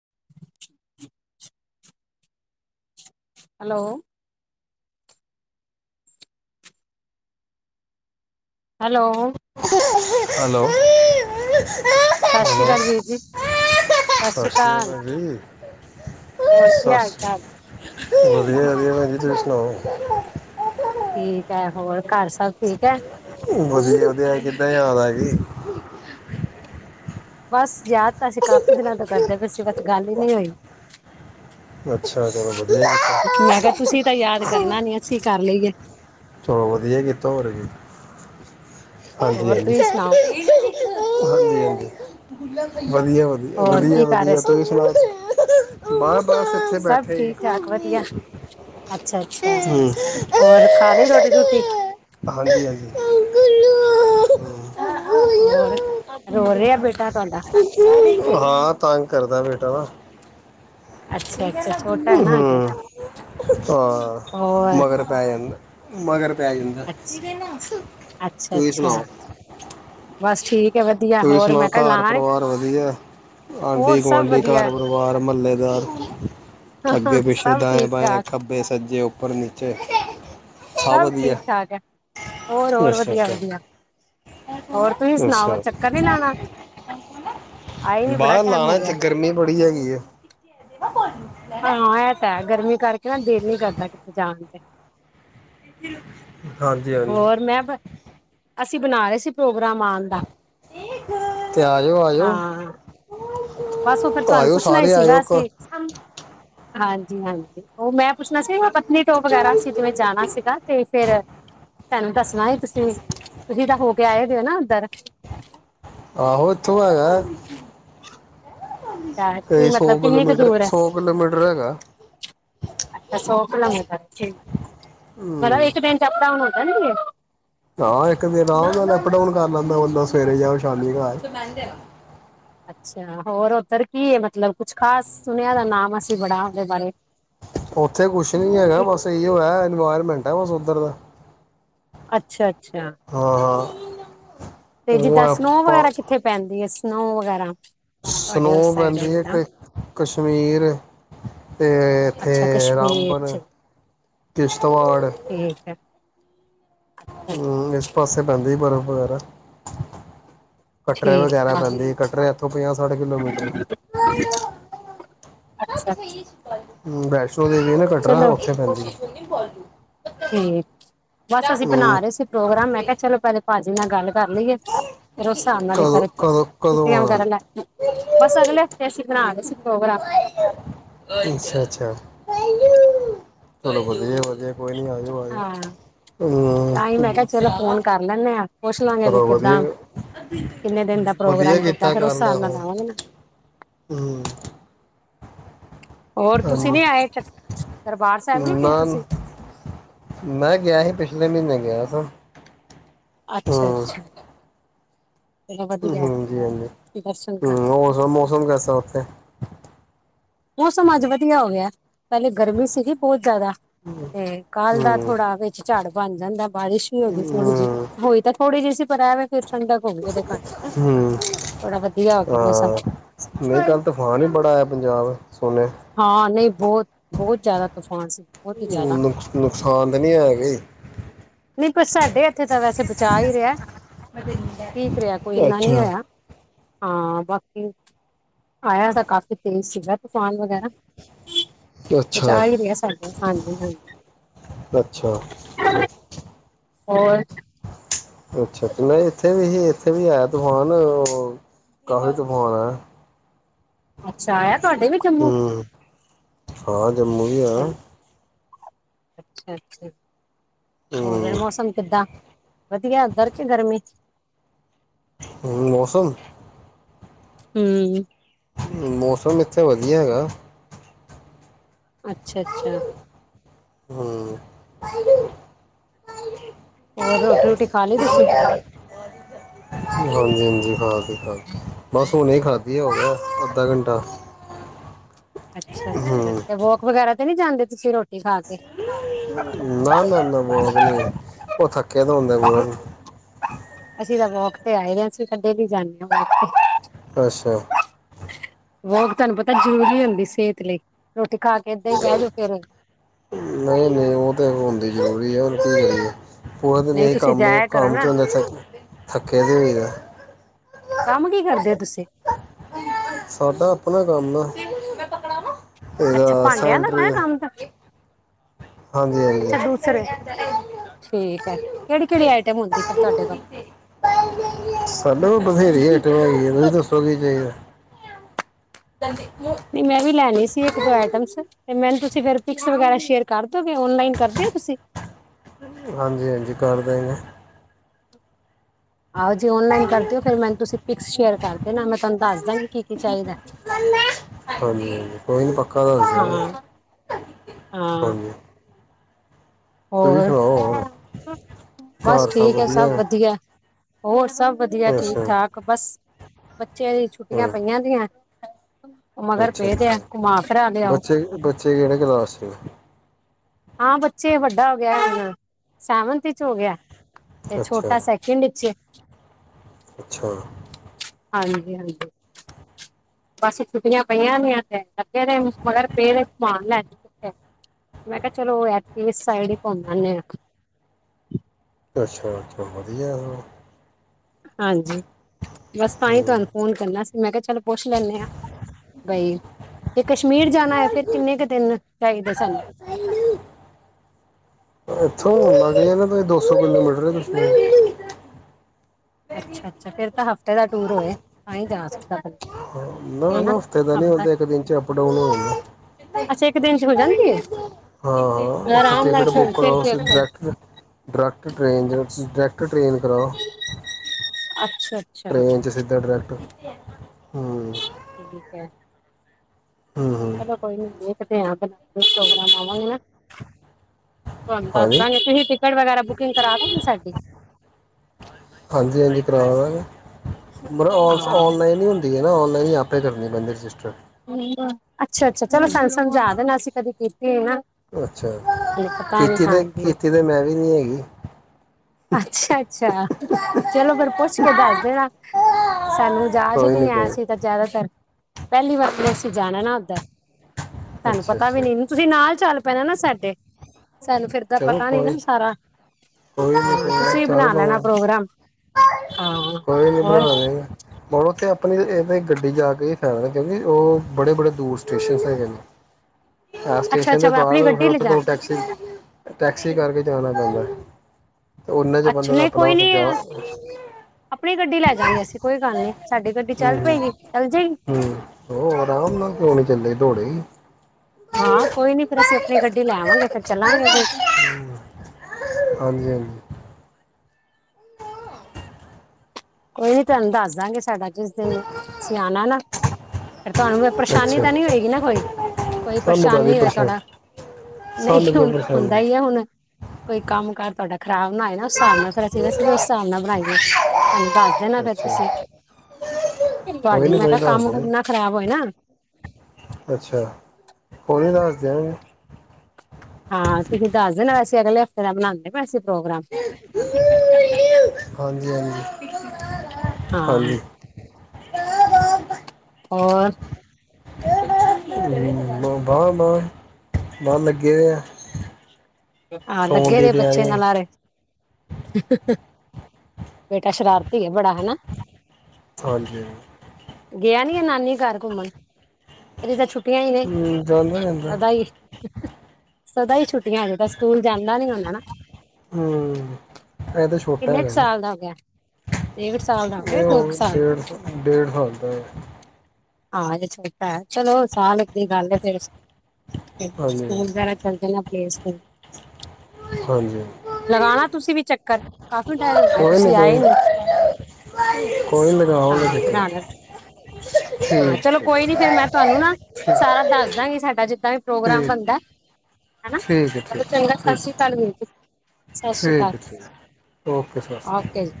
[inaudible] Hello. Hello. Hello. [unintelligible] ਸਤਿ ਸ੍ਰੀ ਅਕਾਲ ਵੀਰ ਜੀ ਸਤਿ ਸ੍ਰੀ ਸ਼੍ਰੀ ਅਕਾਲ ਭੈਣ ਜੀ ਹੋਰ ਕੀ ਸਤਿ ਹਾਲ ਸ਼੍ਰੀ ਚਾਲ ਵਧੀਆ - ਵਧੀਆ ਭੈਣ ਜੀ ਤੁਸੀਂ ਸੁਣਾਓ ਠੀਕ ਹੈ ਹੋਰ ਘਰ ਸਭ ਠੀਕ ਹੈ। ਬਸ ਜੀ ਵਧੀਆ ਕਿੱਦਾਂ ਯਾਦ ਆਗੀ। ਬਸ ਯਾਦ ਤਾਂ ਅਸੀਂ ਕਾਫੀ ਦਿਨਾਂ ਤੋਂ ਕਰਦੇ ਪੇੈ ਸੀ, ਗੱਲ ਹੀ ਨਹੀਂ ਹੋਈ ਅੱਛਾ ਚਲੋ ਵਧੀਆ। ਮੈਂ ਕਿਹਾ ਤੁਸੀਂ ਤਾਂ ਯਾਦ ਕਰਨਾ ਨੀ ਅਸੀਂ ਕਰ ਲਈਏ [unintelligible] ਚਲੋ ਵਧੀਆ ਕੀਤਾ ਹੋਰ ਕੀ ਹਾਂਜੀ- ਹੋਰ ਹਾਂਜੀ ਤੁਸੀਂ ਸੁਣਾਓ [unintelligible] ਹਾਂਜੀ- ਹਾਂਜੀ ਵਧੀਆ -ਵਧੀਆ ਹੋਰ -ਵਧੀਆ- ਕੀ ਕਰ ਰਹੇ ਵਧੀਆ ਸੀ ਤੁਸੀਂ ਸੁਣਾਓ ਬਾਹਰ ਬਸ ਇਥੇ ਸਭ ਬੈਠੇ ਸੀ ਠੀਕ ਹਮ ਠਾਕ ਵਧੀਆ ਅੱਛਾ ਅੱਛਾ ਹੋਰ ਖਾ ਲਈ ਰੋਟੀ ਰੂਟੀ ਹਾਂਜੀ ਹਾਂਜੀ [unintelligible] ਹੋਰ ਰੋ ਰਿਹਾ ਬੇਟਾ ਤੁਹਾਡਾ [unintelligible] ਤੰਗ ਕਰਦਾ ਬੇਟਾ ਨਾ [unintelligible] ਅੱਛਾ ਅੱਛਾ ਛੋਟਾ ਹੈ ਨਾ ਅਜੇ ਹਾਂ ਹੋਰ ਮਗਰ ਪੈ ਜਾਂਦਾ। ਅੱਛ [unintelligible] ਅੱਛਾ ਤੁਸੀ ਅੱਛਾ ਸੁਣਾਓ। ਬਸ ਠੀਕ ਹੈ ਵਧੀਆ ਤੁਸੀਂ ਹੋਰ ਸੁਣਾਓ ਮੈਂ ਕਿਹਾ ਘਰ ਲਾਣਾ ਨੀ ਪਰਿਵਾਰ ਵਧੀਆ ਹੋਰ ਆਂਢੀ ਸਭ ਗੁਆਂਢੀ ਵਧੀਆ ਘਰ ਪਰਿਵਾਰ ਮਹੱਲੇਦਾਰ ਅੱਗੇ ਪਿੱਛੇ ਸਭ ਦਾਏ ਠੀਕ ਬਾਏ ਠਾਕ ਖੱਬੇ ਸੱਜੇ। ਉੱਪਰ -ਨੀਚੇ, ਸਭ ਠੀਕ ਠਾਕ ਹੈ ਹੋਰ -ਹੋਰ, ਅੱਛਾ ਵਧੀਆ- ਵਧੀਆ। ਹੋਰ ਤੁਸੀਂ ਸੁਣਾਓ ਅੱਛਾ ਚ ਚੱਕਰ ਨੀ ਲਾਉਣਾ। ਅੱਛਾ ਬਾਹਰ ਲਾਣਾ ਚ ਗਰਮੀ ਬੜੀ ਹੈਗੀ ਆ। ਹਾਂ। ਗਰਮੀ ਕਰਕੇ ਨਾ ਦਿਲ ਨੀ ਕਰਦਾ ਕਿਤੇ ਜਾਣ ਤੇ, ਹਾਂਜੀ ਹਾਂਜੀ। ਹੋਰ ਮੈਂ ਅਸੀਂ ਬਣਾ ਰਹੇ ਸੀ ਪ੍ਰੋਗਰਾਮ ਆਣ ਦਾ, ਤੇ ਆਜੋ-ਆਜੋ, ਹਾਂ ਬਸ ਉਹ ਫੇਰ ਤੁਹਾਨੂੰ ਪੁੱਛਣਾ ਹੀ ਸੀਗਾ ਅਸੀਂ ਹਾਂਜੀ ਹਾਂਜੀ, ਉਹ ਮੈਂ ਪੁੱਛਣਾ ਸੀ ਪਤਾ ਨੀ ਟੋ ਵਗੈਰਾ ਸੀ ਜਿਵੇਂ ਜਾਣਾ ਸੀਗਾ। ਤੇ ਫੇਰ ਤੈਨੂੰ ਦੱਸਣਾ ਹੀ ਤੁਸੀਂ-ਤੁਸੀ ਤਾਂ ਹੋ ਕੇ ਆਏ ਦਿ ਹੋ ਨਾ ਉੱਧਰ ਆਹੋ ਇੱਥੋਂ ਹੈਗਾ ਐ। ਕਈ ਸੌ ਮਤਲਬ ਕਿੰਨੀ ਕੁ ਕਿਲੋਮੀਟਰ ਦੂਰ ਹੈ ਸੌ ਕਿਲੋਮੀਟਰ ਹੈਗਾ। [unintelligible] ਮੈਂ ਹਮ ਇੱਕ ਦਿਨ ਟਪਦਾ ਹੁਣ [unintelligible] ਹਾਂ ਇੱਕ ਦਿਨ ਆਹ ਅਪ ਡਾਊਨ ਕਰ ਲੈਂਦਾ ਬੰਦਾ ਸਵੇਰੇ ਜਾਓ ਸ਼ਾਮੀ ਘਰ। ਅੱਛਾ ਹੋਰ ਉੱਧਰ ਕੀ ਹੈ, ਮਤਲਬ ਕੁਛ ਖਾਸ ਸੁਣਿਆ ਦਾ ਨਾਮ ਅਸੀਂ ਬੜਾ ਉਹਦੇ ਬਾਰੇ। ਉੱਥੇ ਕੁਛ ਨਹੀਂ ਹੈਗਾ ਬਸ ਐਈਓ ਹੈ ਇਨਵਾਇਰਮੈਂਟ ਹੈ ਬਸ ਉੱਧਰ ਦਾ ਅੱਛਾ, ਅੱਛਾ। ਹਾਂ ਹਾਂ। [inaudible] ਤੇ ਉਹ ਜਿੱਦਾਂ ਸਨੋ ਆਪਾਂ ਵਗੈਰਾ ਕਿੱਥੇ ਪੈਂਦੀ ਹੈ। ਸਨੋ ਵਗੈਰਾ। ਤੁਹਾਡੇ ਸਨੋ ਉਸ ਸਾਈਡ ਪੈਂਦੀ ਹੈ, ਜਿੱਦਾਂ ਕ ਕਸ਼ਮੀਰ ਤੇ ਇੱਥੇ ਅੱਛਾ ਕਸ਼ਮੀਰ ਚ ਰਾਮਬਨ ਕਿਸ਼ਤਵਾੜ। ਠੀਕ ਹੈ ਹੂੰ, ਇਸ ਪਾਸੇ ਪੈਂਦੀ ਐ ਪਰ ਵਗੈਰਾ, ਕਟਰੇ ਠੀਕ ਵਗੈਰਾ ਆ ਪੈਂਦੀ ਕਟਰੇ ਇੱਥੋਂ ਪੰਜਾਹ ਸੱਠ ਕਿਲੋਮੀਟਰ ਹੈ ਅੱਛਾ ਅੱਛਾ, ਹੂੰ ਬਸ, ਸੋ ਦੇਵੀ ਨੇ ਕਟੜ ਚਲੋ ਉੱਥੇ ਪੈਂਦੀ ਐ। ਹੂੰ, [unintelligible] ਬਸ ਅਸੀਂ ਬਣਾ ਰਹੇ ਸੀ ਪ੍ਰੋਗਰਾਮ ਮੈਂ, ਕਿਹਾ ਚਲੋ ਪਹਿਲੇ ਭਾਜੀ ਨਾਲ ਗੱਲ ਕਰ ਲਈਏ। ਉਸ ਹਿਸਾਬ ਨਾਲ ਹੀ ਕਦੋਂ ਖਰਚ ਕਰੋ ਕਦੋਂ ਕਦੋਂ ਛੁੱਟੀਆਂ ਆਉਣਾ ਵਗੈਰਾ ਲੈ ਬਸ ਅਗਲੇ ਹਫ਼ਤੇ ਅਸੀ ਬਣਾ ਰਹੇ ਸੀ ਪ੍ਰੋਗਰਾਮ ਅੱਛਾ ਅੱਛਾ ਚਲੋ ਵਧੀਆ ਜ ਕੋਈ ਨੀ ਆਜਓ ਆਜਓ ਹਾਂ ਤਾਂ ਹੀ ਮੈਂ ਕਿਹਾ ਹਮ ਚਲੋ ਫੋਨ ਕਰ ਲੈਂਦੇ ਹਾਂ ਪੁੱਛ ਲਾਂਗੇ ਵੀ ਚਲੋ ਕਿੱਦਾਂ ਵਧੀਆ ਕਿੰਨੇ ਦਿਨ ਦਾ ਵਧੀਆ ਪ੍ਰੋਗਰਾਮ ਕਿੱਦਾਂ ਕੀਤਾ ਫੇਰ ਉਸ ਕਰ ਲੇ ਹਿਸਾਬ ਨਾਲ ਫੋਨ ਆਵਾਂਗੇ ਨਾ ਹਮ ਹੋਰ ਤੁਸੀਂ ਨ ਆਏ [unintelligible] ਸਾਹਿਬ ਨੀ ਗਏ ਨਾ ਤੁਸੀਂ ਮੈਂ ਗਿਆ ਸੀ ਪਿਛਲੇ ਮਹੀਨੇ ਗਿਆ ਹ ਅੱਛਾ ਅੱਛਾ ਚਲੋ ਹਜੀੀ ਵਧੀਆ ਹਾਂਜੀ ਦਰਸ਼ਨ ਕਰ ਹਮ ਹੋ ਮੌਸਮ ਕੈਸਾ ਉੱਥੇ ਮੌਸਮ ਅੱਜ ਵਧੀਆ ਹੋ ਗਿਆ ਪਹਿਲੇ ਗਰਮੀ ਸੀਗੀ ਬਹੁਤ ਜ਼ਿਆਦਾ ਤੇ ਕਾਲ ਦਾ ਹੂੰ ਥੋੜਾ ਵਿਚ ਝਾੜ ਬਣ ਜਾਂਦਾ ਬਾਰਿਸ਼ ਵੀ ਹੋ ਗਗੀ ਥੋੜੀ ਜੀ ਹੋਈ ਤਾਂ ਥੋੜੀ ਜਿਸੀ ਪਰ [unintelligible] ਹੋ ਗਈ ਉਹਦੇ ਕਰਕੇ ਨਾ ਹਮ ਥੋੜਾ ਵਧੀਆ ਹੋ ਗਿਆ ਮੌਸਮ ਹਾਂ ਨਹੀਂ ਕੱਲ ਤੂਫਾਨ ਹੀ ਬੜਾ ਆਇਆ ਪੰਜਾਬ ਸੁਣਿਆ ਹਾਂ ਨਹੀਂ ਬਹੁਤ ਬਹੁਤ ਜ਼ਿਆਦਾ ਤੂਫ਼ਾਨ ਬਹੁਤ ਹੀ ਜ਼ਿਆਦਾ ਨੁਕਸ ਨੁਕਸਾਨ ਤਾਂ ਨਹੀਂ ਆਇਆ ਕੋਈ ਨਹੀਂ ਪਰ ਸਾਡੇ ਇਥੇ ਤਾਂ ਵੈਸੇ ਬਚਾਅ ਹੀ ਰਿਹਾ ਠੀਕ ਰਿਹਾ ਕੋਈ ਇੰਨਾ ਨੀ ਹੋਇਆ ਅੱਛਾ ਹਾਂ ਬਾਕੀ ਆਇਆ ਤਾਂ ਕਾਫੀ ਤੇਜ਼ ਸੀਗਾ ਤੂੰਫੋਾਨ ਵਗੈਰਾ ਅੱਛਾ ਬਚਾ ਹੀ ਰਿਹਾ ਸਾਡੇ ਹਾਂਜੀ ਹਜੀ ਅੱਛਾ ਹੋਰ ਅੱਛਾਾ ਨਹੀਂ ਇੱਥੇ ਵੀ ਹੀ ਇੱਥੇ ਵੀ ਹੈ ਤੂਫਾਨ ਉਹ ਕਾਫ਼ੀ ਤੂਫਾਨ ਹੈ ਅੱਛਾ ਆਇਆ ਤੁਹਾਡੇ ਵੀ ਜੰਮੂ ਹੂੰ ਹਾਂ ਜੰਮੂ ਵੀ ਆਇਆ ਅੱਛਾ, ਅੱਛਾ। ਹੋਰ ਹੂੰ, ਮੌਸਮ ਕਿੱਦਾਂ ਵਧੀਆ ਇਧਰ ਕੇ ਗਰਮੀ ਹੂੰ, ਮੌਸਮ ਹੂੰ। ਮੌਸਮ ਇੱਥੇ ਵਧੀਆ ਹੈਗਾ। ਅੱਛਾ, ਅੱਛਾ। ਹੂੰ। [unintelligible] ਹੋਰ ਰੋਟੀ ਰੁਟੀ ਖਾ ਖਾ ਲੀ ਤੁਸੀਂ ਹਾਂਜੀ, ਹਾਂਜੀ ਖਾ ਲਈ, ਖਾ ਬਸ ਹੁਣੇ ਹੀ ਖਾਧੀ ਆ, ਹੋ ਗਿਆ ਅੱਧਾ ਘੰਟਾ। ਅੱਛਾ, ਅੱਛਾ ਹੂੰ ਤੇ ਵੋਕ ਵਗੈਰਾ ਤੇ ਨਹੀਂ ਜਾਂਦੇ ਤੁਸੀਂ ਰੋਟੀ ਖਾ ਕੇ ਨਾ, ਨਾ, ਨਾ ਨਹੀਂ ਉਹ ਥ ਕੇ ਹੁੰਦੇ [inaudible] ਅਸੀਂ ਤਾਂ ਵੋਕ ਤੇ ਆਏ ਹੋਏ ਸੀ, ਅਸੀਂ ਡੇਲੀ ਜਾਂਦੇ ਹਾਂ ਇਥੇ ਅੱਛਾ। ਵੋਕ ਤੁਹਾਨੂੰ ਪਤਾ ਜ਼ਰੂਰੀ ਹੁੰਦੀ ਸਿਹਤ ਲਈ, ਰੋਟੀ ਖਾ ਕੇ ਏਦਾਂ ਹੀ ਬਹਿ ਜਾਓ ਫਿਰ ਨਹੀਂ, ਨਹੀਂ ਉਹ ਤੇ ਹੁੰਦੀ ਜਰੂਰੀ ਹੈ, ਹੁਣ ਕੀ ਕਰੀਏ? ਪੂਰਾ ਦਿਨ ਨਹੀਂ ਇਹੀਂ ਤੁਸੀਂ ਕੰਮ ਹੈ ਜਾਇਆ ਕਰੋ ਕੰਮ ਨਾ ਤੋਂ ਆਈ ਦਾ ਥੱਕੇ ਹੋਈਦਾ। ਠ ਸਾਡਾ ਆਪਣਾ ਕੰਮ ਐ। ਅੱਛਾ ਇਹਦਾ ਭਾਂਡਿਆਂ ਦਾ ਹੈ ਸੋਂਡਰਿੰਗ ਕੰਮ ਤਾਂ ਹਾਂਜੀ-ਹਾਂਜੀ, ਅੱਛਾ ਦੂਸਰੇ ਠੀਕ ਹੈ ਕਿਹੜੀ ਕਿਹੜੀ ਆਈਟਮ ਹੁੰਦੀ ਫਿਰ ਤੁਹਾਡੇ ਕੋਲ ਸਾਡੇ ਕੋਲ ਬਥੇਰੀ ਆਈਟਮ ਹੈਗੀ ਆ ਤੁਸੀ ਦੱਸੋ ਕੀ ਚਾਹੀਦਾ। ਤਦੀ [inaudible] ਨਹੀਂ ਮੈਂ ਵੀ ਲੈਣੀ ਸੀ ਇੱਕ ਦੋ ਆਈਟਮ, ਤੇ ਮੈਨੂੰ ਤੁਸੀਂ ਫਿਰ ਪਿਕਸ ਵਗੈਰਾ ਸ਼ੇਅਰ ਕਰਦੋਗੇ ਓਨਲਾਈਨ ਕਰਦੇਓ ਤੁਸੀਂ ਹਾਂਜੀ, ਹਾਂਜੀ ਕਰਦਾਂਗੇ। ਆਹੋ ਜੀ ਓਨਲਾਈਨ ਹਾਂਜੀ ਕਰਦੇ ਓ ਫੇਰ ਤੁਸੀਂ ਮੈਂਨੂੰ ਪਿਕਸ ਸ਼ੇਅਰ ਕਰਦੇ ਨਾ ਮੈਂ ਤੁਹਾਨੂੰ ਦੱਸਦਾਂਗੀ ਕੀ ਕੀ ਚਾਹੀਦਾ, ਹਾਂਜੀ ਕੋਈ ਨਹੀਂ ਪੱਕਾ ਦੱਸ ਦਿਆਂਗੇ ਹਾਂ- ਹਾਂ। ਹਾਂਜੀ ਤੁਸੀਂ ਹੋਰ ਸੁਣਾਓ ਹੋਰ ਬਸ ਠੀਕ ਹੈ, ਸਭ ਵਧੀਆ। ਹੋਰ ਸ ਸਭ ਵਧੀਆ ਅੱਛਾ ਠੀਕ-ਠਾਕ ਬਸ ਬੱਚਿਆਂ ਦੀ ਛੁੱਟੀਆਂ ਹਾਂ ਪਈਆਂ ਦੀਆਂ। [unintelligible] ਉਹ ਮਗਰ ਅੱਛਾ- ਪਏ ਦੇ ਆ ਅੱਛਾ, ਘੁਮਾ ਫਿਰਾ ਲਿਆਓ ਬੱਚੇ-ਬੱਚੇ, ਕਿਹੜੀ ਕਲਾਸ ਚ ਹਾਂ ਬੱਚੇ, ਵੱਡਾ ਹੋ ਗਿਆ ਹੁਣ, ਸੈਵਨਥ ਵਿਚ ਹੋ ਗਿਆ। ਤੇ ਅੱਛਾ ਛੋਟਾ, ਸੈਕਿੰਡ ਵਿੱਚ ਐ। ਅੱਛਾ। ਹਾਂਜੀ-ਹਾਂਜੀ। ਬਸ, ਛੁੱਟੀਆਂ ਪਈਆਂ ਦੀਆਂ, ਤੇ ਲਗੇ ਦੇ ਨੇ, ਮਗਰ ਪਏ ਦੇ ਨੇ, ਘੁੰਮਾਣ ਲੈਕੇ ਜਾਓ, ਮੈਂ ਕਿਹਾ ਚਲੋ ਐਤਕੀ ਇਸ ਸਾਈਡ ਹੀ ਘੁੰਮ ਆਨੇ ਆ। ਅੱਛਾ- ਅੱਛਾ, ਵਧੀਆ ਹੈ। ਹਾਂਜੀ। ਬਸ ਤਾਂ ਹੀ ਤੁਹਾਨੂੰ ਫੋਨ ਕਰਨਾ ਸੀ, ਮੈਂ ਕਿਹਾ ਚਲ ਪੁੱਛ ਲੈਂਦੇ ਹਾਂ ਬਈ, ਜੇ ਕਸ਼ਮੀਰ ਜਾਣਾ ਹੋਏ ਤੇ ਫਿਰ ਕਿੰਨੇ ਹੂੰ ਕੁ ਦਿਨ ਚਾਹੀਦੇ ਸਾਨੂੰ? ਇਹ ਨਾ ਦੋ ਸੌ ਕਿਲੋਮੀਟਰ ਏ। ਅੱਛਾ-ਅੱਛਾ, ਫੇਰ ਤਾਂ ਹਫ਼ਤੇ ਦਾ ਟੂਰ ਹੋਏ ਤਾਂ ਹੀ ਜਾ ਸਕਦੇ ਨਾ-ਨਾ ਹਫ਼ਤੇ ਦਾ ਨੀ ਹੁਣ ਤਾ ਇਕ ਦਿਨ ਚ ਅੱਪ ਡਾਉਨ ਹੋਜੇਗਾ। ਅੱਛਾ ਇੱਕ ਦਿਨ ਹੋ ਜਾਂਦੀ ਐ, ਹਾਂ-ਹਾਂ, ਉੱਥੇ ਟਿਕਟ ਬੁੱਕ ਕਰਾਉ ਕੇ ਤੁਸੀ ਉੱਥੇ direct direct train direct train ਕਰਾਓ। ਅੱਛਾ [unintelligible] ਟ੍ਰੇਨ ਸਿੱਧਾ ਡਾਇਰੈਕਟ ਹੂੰ, ਠੀਕ ਹੈ। ਹੂੰ ਹੂੰ ਚਲੋ ਕੋਈ ਨੀ, [unintelligible] ਵਾਂਗੇ ਤੁਹਾਨੂੰ ਦੱਸ ਹਾਂਜੀ ਦਾਂਗੇ ਤੁਸੀਂ ਟਿਕਟ ਵਗੈਰਾ ਬੁਕਿੰਗ ਕਰਾ ਦੋ ਗੇ ਸਾਡੀ? ਹਾਂਜੀ ਹਾਂਜੀ ਕਰਾ ਦਾ ਗੇ। ਮਤਬ ਹਾਂ ਔਨਲਾਈਨ ਹੀ ਹੁੰਦੀ ਹੈ। ਔਨਲਾਈਨ ਆਪੇ ਕਰਨੀ ਪੈਂਦੀ ਐ ਸਿਸਟਮ ਅੱਛਾ-ਅੱਛਾ ਚਲੋ ਸਾਨੂੰ ਸਮਝਾ ਦੇਣਾ ਅਸੀਂ ਕਦੀ। ਕੀਤੀ ਨਾ ਅੱਛਾ ਤਾਨੂੰ ਪਤਾ ਨੀ ਕੀਤੀ ਤੇ ਹਾਂਜੀ ਕੀਤੀ ਤੇ ਮੈਂ ਵੀ ਨਹੀਂ ਹੈਗੀ ਅੱਛਾ-ਅੱਛਾ ਚਲੋ ਫਿਰ ਪੁੱਛ ਕੇ ਦੱਸ ਦੇਨਾ ਸਾਨੂੰ ਜਾਚ ਕੋਈ ਨੀ ਆਇਆ ਕੋਈ ਸੀ ਤਾਂ ਜ਼ਿਆਦਾਤਰ ਪਹਿਲੀ ਵਾਰ, ਫ ਅਸੀਂ ਜਾਣਾ ਨਾ ਉੱਧਰ ਤੁਹਾਨੂੰ ਅੱਛਾ ਪਤਾ ਵੀ ਅੱਛਾ ਨੀ ਤੁਸੀਂ ਨਾਲ ਚੱਲ ਪੈਣਾ ਨਾ ਸਾਡੇ, ਸਾਨੂੰ ਫਿਰ ਦਾ ਚਲੋ ਪਤਾ ਨੀ ਨਾ ਕੋਈ ਸਾਰਾ ਕੋਈ ਨੀ ਹਾਂ ਕੋਈ ਤੁਸੀਂ ਚੱਲ ਬਣਾ ਬਵਾ ਲੈਣਾ ਪ੍ਰੋਗਰਾਮ ਹਾਂ ਕੋਈ ਨੀ ਹੋਰ ਬਣਾ ਦੇਗਾ ਮੋੜੋ ਤੇ ਆਪਣੀ ਇਹ ਗੱਡੀ ਜਾ ਕੇ ਫਾਇਦਾ ਐ ਉਹ ਬੜੇ-ਬੜੇ ਦੂਰ ਸਟੇਸ਼ਨ ਹੈਗੇ ਨੇ, ਆਹ ਅੱਛਾ ਸਟੇਸ਼ਨ ਅੱਛਾ ਤੇ ਮੈਂ ਆ ਆਪਣੀ ਫਿਰ ਗੱਡੀ ਉਥੋਂ ਲਿਜਾ ਤੁਹਾਨੂੰ ਟੈਕਸੀ, ਇਸੇ ਕਰਕੇ ਜਾਣਾ ਪੈਂਦਾ, ਤੇ ਉਹਨਾਂ ਚ ਅੱਛਾ ਬੰਦੇ ਦਾ ਨਹੀਂ ਕੋਈ ਆਪਣਾ ਨੀ ਜਾ ਆਪਣੀ ਗੱਡੀ ਲੈ ਜਾਗੇ ਅਸੀਂ ਕੋਈ ਗੱਲ ਨੀ, ਸਾਡੀ ਗੱਡੀ ਹਮ ਚੱਲ ਹਮ ਪਏਗੀ ਚੱਲ ਜਾਏਗੀ ਹਮ ਹੋ ਆਰਾਮ ਨਾਲ ਕਿਉਂ ਨੀ ਚੱਲਦੇ ਦੋੜੇ ਹਾਂ ਕੋਈ ਨੀ ਫਿਰ ਅਸੀਂ ਆਪਣੀ ਗੱਡੀ ਲੈਵਾਂਗੇ ਫਿਰ ਚੱਲਾਂਗੇ ਉਹਦੇ ਹਾਂਜੀ ਹਾਂਜੀ ਕੋਈ ਨੀ ਤੁਹਾਨੂੰ ਦੱਸ ਦਾਂਗੇ ਸਾਡਾ ਜਿਸ ਦਿਨ ਅਸੀਂ ਆਉਣਾ ਨਾ ਫਿਰ ਤੁਹਾਨੂੰ ਪਰੇਸ਼ਾਨੀ ਅੱਛਾ ਤਾਂ ਨਹੀਂ ਹੋਏਗੀ ਨਾ ਕੋਈ ਕੋਈ ਸਾਨੂੰ ਪਰੇਸ਼ਾਨ ਕਾਹਦੀ ਨੀ ਹੋਵੇ ਤੁਹਾਡਾ ਪਰੇਸ਼ਾਨੀ ਨਹੀਂ ਸਾਨੂੰ ਕਿਉਂ ਹੁਣ ਹੁੰਦਾ ਪਰੇਸ਼ਾਨੀ ਹੀ ਹੈ ਹੁਣ ਕੋਈ ਕੰਮ ਕਾਰ ਤੁਹਾਡਾ ਖਰਾਬ ਨਾਏ ਨਾ ਹਿਸਾਬ ਨਾਲ ਫਿਰ ਅਸੀਂ ਵੈਸੇ ਵੀ ਉਸ ਹਿਸਾਬ ਨਾਲ ਬਣਾਈਏ ਦੱਸ ਦੇ ਨਾ ਫਿਰ ਅੱਛਾ ਤੁਸੀਂ ਕੋਈ ਤੁਹਾਡੀ ਨੀ ਮੈਂ ਕੋਈ ਕਿਹਾ ਨੀ ਦੱਸ ਕੰਮ ਕੁਮ ਨਾ ਦਿਆਂਗੇ ਖ਼ਰਾਬ ਹੋਏ ਨਾ ਦੱਸਦੇ। ਹਾਂ ਤੁਸੀਂ ਦੱਸ ਦੇ ਨਾ ਵੇਸੇ ਅਗਲੇ ਹਫਤੇ ਦਾ ਬਣਾਉਦੇ ਪਏ ਸੀ। ਹਾਂਜੀ ਹਾਂਜੀ, [unintelligible] ਹਾਂ, ਹਾਂਜੀ [unintelligible] ਹੋਰ, ਬਾਂ ਬਾਂ ਬਾਹ ਲੱਗੇ ਦੇ ਆ। ਹਾਂ ਸੌਣ ਲੱਗੇ ਦੀ ਦੇ ਬੱਚੇ ਤਿਆਰੀ ਨਾ ਲਾਰੇ, ਬੇਟਾ ਸ਼ਰਾਰਤੀ ਹੈ ਬੜਾ ਹੈਨਾ। ਹਾਂਜੀ ਗਿਆ ਨੀ ਇਹ ਨਾਨੀ ਘਰ ਘੁੰਮਣ, ਇਹਦੇ ਤਾ ਛੁ ਆਂ ਹੀ ਨੇ ਹਮ, ਜਾਂਦਾ ਜਾਂਦਾ ਅਦਾ ਹੀ। ਸਦਾ ਹੀ ਛੁੱਟੀਆਂ ਨੇ ਬਸ, ਸਕੂਲ ਜਾਂਦਾ ਨੀ ਹੁੰਦਾ ਨਾ। ਇਹ ਤਾਂ ਛੋਟਾ ਕਿੰਨੇ ਕੁ ਹੈਗਾ ਨਾ ਸਾਲ ਦਾ ਹੋ ਗਿਆ ਡੇਢ ਸਾਲ ਦਾ ਹੋ ਗਿਆ ਇਹ ਦੋ ਕੁ ਹਣ ਸਾਲ ਡੇੜ ਡੇਢ ਸਾਲ ਦਾ ਹੈ। ਹਾਂ ਹਜੇ ਛੋਟਾ ਐ, ਚਲੋ ਸਾਹ ਇੱਕ ਦੀ ਗੱਲ ਫਿਰ ਹਾਂਜੀ ਸਕੂਲ ਜ਼ਰਾ ਚਲਦੇ ਨਾ ਪਲੀਸ। [unintelligible] ਹਾਂਜੀ ਲਗਾਣਾ ਤੁਸੀਂ ਵੀ ਚੱਕਰ ਕਾਫ਼ੀ ਟਾਈਮ ਗਿਆ, ਕੋਈ ਨਹੀਂ ਤੁਸੀਂ ਕੋਈ ਆਏ ਨੀ ਕੋਈ ਨੀ, ਲਗਾਓ ਲੈ ਹਾਂ ਠੀਕ ਬਣਾ ਲੈਣਾ ਹਾਂ ਚਲੋ ਠੀਕ ਕੋਈ ਨੀ ਫਿਰ ਮੈਂ ਤੁਹਾਨੂੰ ਨਾ ਠੀਕ ਸਾਰਾ ਦੱਸ ਦਾਂਗੀ ਸਾਡਾ ਜਿੱਦਾਂ ਵੀ ਪ੍ਰੋਗਰਾਮ ਠੀਕ ਬਣਦਾ। ਹਨਾ ਠੀਕ ਹੈ ਚਲੋ ਠੀਕ, ਚੰਗਾ ਸਤਿ ਠੀਕ ਸ਼੍ਰੀ ਅਕਾਲ ਵੀਰ ਜੀ ਸਤਿ ਸ਼੍ਰੀ ਠੀਕ ਅਕਾਲ ਹੈ, ਠੀਕ ਓਕੇ ਸਰ ਓਕੇ ਜੀ।